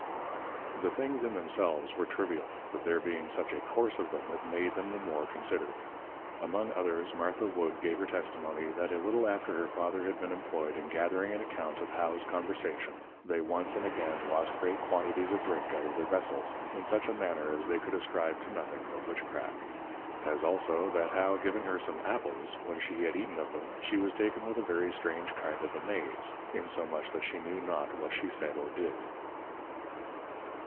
The things in themselves were trivial, but there being such a Course of them, it made them the more considered. Among others, Martha Wood, gave her Testimony, That a little after her Father had been employed in gathering an account of How's Conversation, they once and again lost great Quantities of Drink out of their Vessels, in such a manner, as they could ascribe to nothing but Witchcraft. As also, That How giving her some Apples, when she had eaten of them, she was taken with a very strange kind of Amaze, insomuch that she knew not what she said or did.